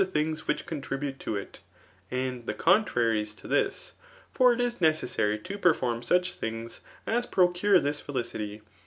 things which contrU>ute to it^ and t^e contraries to this. For k is necessary to perform snch things as procure.tfais feiidty